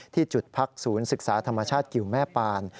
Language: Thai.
ที่จุดพักศูนย์ศึกษาธรรมชาติกิวแม่ปาน